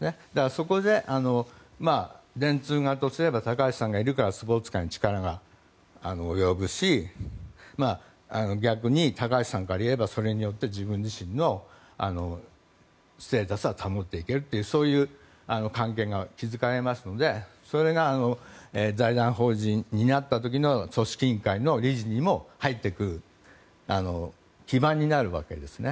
そこで電通が高橋さんがいるからスポーツ界に力が及ぶし逆に、高橋さんからいえばそれによって自分自身のステータスは保っていけるというそういう関係が築かれますのでそれが、財団法人になった時の組織委員会の理事にも入ってくる基盤になるわけです。